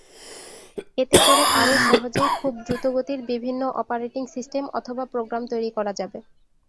এতে করে আরও সহজেই খুব দ্রুতগতির বিভিন্ন অপারেটিং সিস্টেম অথবা প্রোগ্রাম তৈরি করা যাবে।